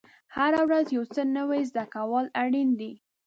هره ورځ یو څه نوی زده کول اړین دي.